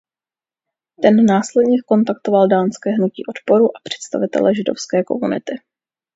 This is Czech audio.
Ten následně kontaktoval dánské hnutí odporu a představitele židovské komunity.